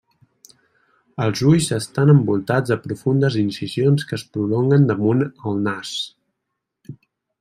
Els ulls estan envoltats de profundes incisions que es prolonguen damunt el nas.